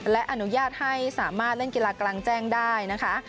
และอนุญาตให้สามารถเล่นกีฬากลางแจ้งได้นะคะ